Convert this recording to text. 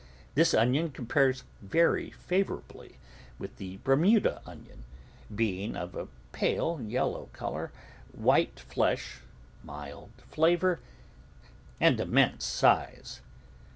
This onion compares very favourably with the Bermuda onion, being of a pale yellow colour, white flesh, mild flavour, and immense size.